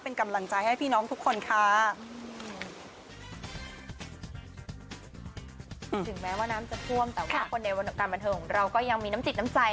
เป็นกำลังใจให้พี่น้องทุกคนค่ะ